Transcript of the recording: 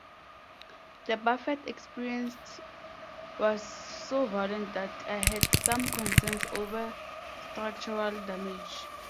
The buffet experienced was so violent that I had some concerns over structural damage.